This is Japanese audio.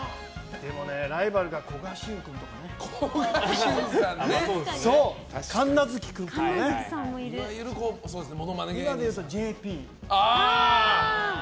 でもね、ライバルがこがしゅう君とかね。神奈月君とかもね。今でいうとＪＰ。